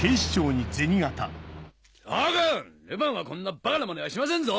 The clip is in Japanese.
ルパンはこんなバカなまねはしませんぞ！